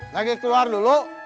lagi keluar dulu